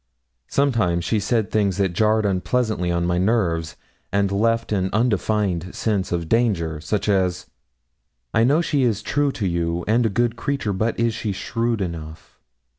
Sometimes she said things that jarred unpleasantly on my nerves, and left an undefined sense of danger. Such as: 'I know she's true to you, and a good creature; but is she shrewd enough?'